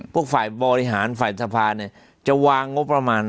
ฝ่ายบริหารฝ่ายสภาจะวางงบประมาณ